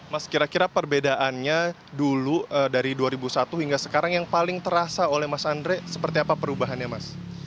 mas kira kira perbedaannya dulu dari dua ribu satu hingga sekarang yang paling terasa oleh mas andre seperti apa perubahannya mas